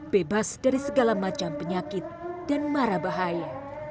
bebas dari segala macam penyakit dan marah bahaya